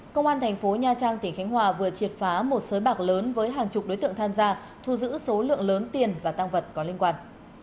công an thành phố nha trang tỉnh khánh hòa vừa triệt phá một sới bạc lớn với hàng chục đối tượng tham gia thu giữ số lượng lớn tiền và tăng vật có liên quan